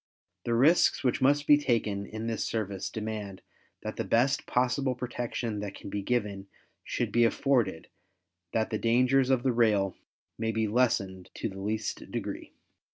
The risks which must be taken in this service demand that the best possible protection that can be given should be afforded that the dangers of the rail may be lessened to the least degree.